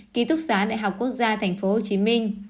ký túc xá đại học quốc gia tp hcm